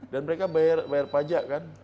dan mereka bayar pajak kan